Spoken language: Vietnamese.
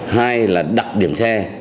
hai là đặc điểm xe